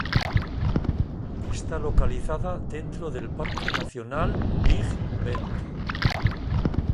Está localizada dentro del Parque nacional Big Bend.